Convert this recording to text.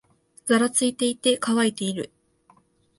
ざらついていて、乾いている